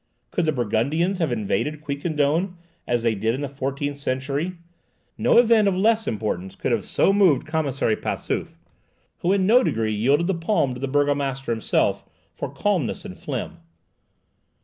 Could the Burgundians have invaded Quiquendone, as they did in the fourteenth century? No event of less importance could have so moved Commissary Passauf, who in no degree yielded the palm to the burgomaster himself for calmness and phlegm.